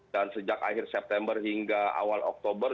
dan sejak akhir september hingga awal oktober